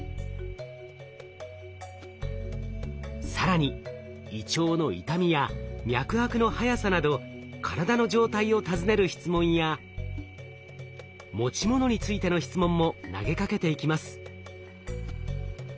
更に胃腸の痛みや脈拍の速さなど体の状態を尋ねる質問や持ち物についての質問も投げかけていきます。